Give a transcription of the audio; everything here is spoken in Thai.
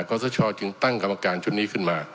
สชจึงตั้งกรรมการชุดนี้ขึ้นมา